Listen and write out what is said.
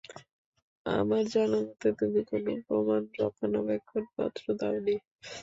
আমার জানা মতে, তুমি কোনো প্রমাণ রক্ষণাবেক্ষণ পত্র দাওনি।